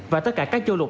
và tất cả các châu lục